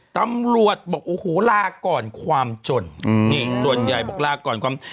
ตำรวจบอกโอ้โหลาก่อนความจนนี่ส่วนใหญ่บอกลาก่อนความ